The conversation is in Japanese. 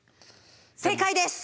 正解です！